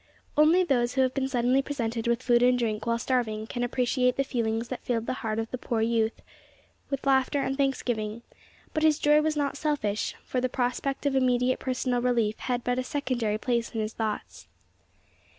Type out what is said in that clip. Only those who have been suddenly presented with food and drink, while starving can appreciate the feelings that filled the heart of the poor youth with laughter and thanksgiving; but his joy was not selfish, for the prospect of immediate personal relief had but a secondary place in his thoughts.